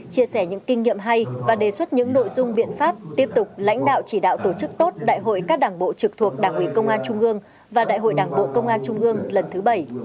chia sẻ những kinh nghiệm hay và đề xuất những nội dung biện pháp tiếp tục lãnh đạo chỉ đạo tổ chức tốt đại hội các đảng bộ trực thuộc đảng ủy công an trung ương và đại hội đảng bộ công an trung ương lần thứ bảy